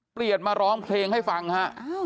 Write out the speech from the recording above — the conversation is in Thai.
เปลี่ยนมาร้องเพลงให้ฟังฮะ